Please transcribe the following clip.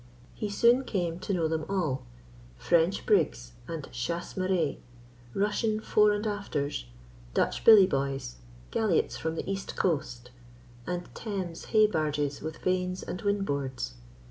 He soon came to know them all French brigs and chasse marees, Russian fore and afters, Dutch billyboys, galliots from the East coast, and Thames hay barges with vanes and wind boards.